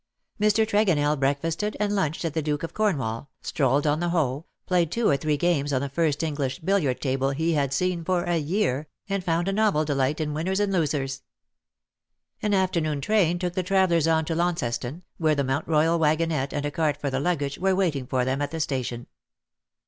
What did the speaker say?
Mr. Tregonell breakfasted and lunched at the Duke of Cornwall, strolled on the Hoe, played two or three games on the first English billiard table he had seen for a year, and found a novel delight in winners and losers. An afternoon train took the travellers on to Launceston, where the Mount Koyal wagonette, and a cart for the luggage, were waiting for them at the station.